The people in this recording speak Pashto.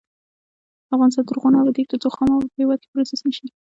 افغانستان تر هغو نه ابادیږي، ترڅو خام مواد په هیواد کې پروسس نشي.